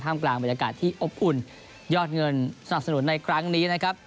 กลางบรรยากาศที่อบอุ่นยอดเงินสนับสนุนในครั้งนี้นะครับ